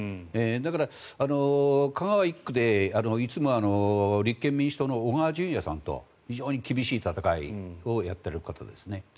だから、香川１区でいつも立憲民主党の小川淳也さんと厳しい戦いをやっている方ですね。